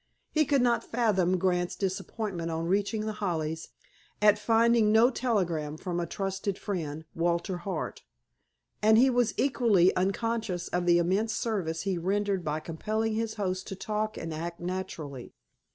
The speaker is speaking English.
He could not fathom Grant's disappointment, on reaching The Hollies, at finding no telegram from a trusted friend, Walter Hart. And he was equally unconscious of the immense service he rendered by compelling his host to talk and act naturally.